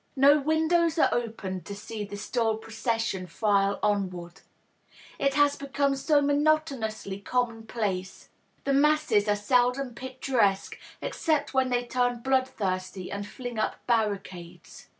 No windows are opened to see this dull ? recession file onward ; it has become so monotonously commonplace, ^he masses are seldom picturesque except when they turn bloodthirsty and fling up barricades.